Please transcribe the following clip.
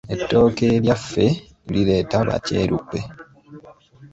Ettooke eryaffe lireeta ba kyeruppe.